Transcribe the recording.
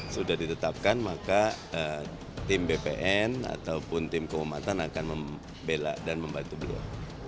sudah ditetapkan maka tim bpn ataupun tim keumatan akan membela dan membantu beliau